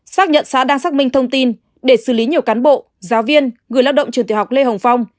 xác nhận xã đang xác minh thông tin để xử lý nhiều cán bộ giáo viên người lao động trường tiểu học lê hồng phong